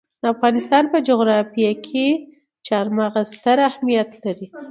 د افغانستان په جغرافیه کې چار مغز ستر اهمیت لري.